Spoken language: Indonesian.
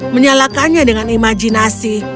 menyalakannya dengan imajinasi